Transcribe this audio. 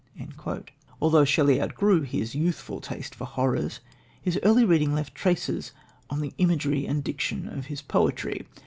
Although Shelley outgrew his youthful taste for horrors, his early reading left traces on the imagery and diction of his poetry.